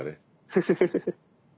フフフフフ。